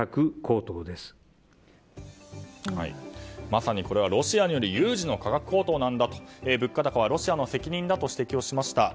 まさにロシアによる有事の価格高騰なんだと物価高はロシアの責任だと指摘をしました。